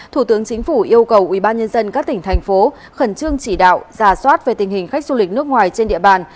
thủ tướng chính phủ yêu cầu ubnd các tỉnh thành phố khẩn trương chỉ đạo giả soát về tình hình khách du lịch nước ngoài trên địa bàn